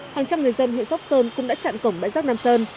hàng trăm người dân huyện sóc sơn cũng đã chặn cổng bãi rác nam sơn